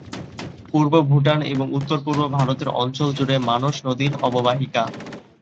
পূর্ব ভুটান এবং উত্তর-পূর্ব ভারতের অঞ্চল জুড়ে মানস নদীর অববাহিকা।